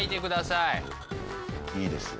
いいですよ。